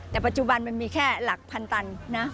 แต่ปัจจุบันมันมีแค่หลักพันตันนะ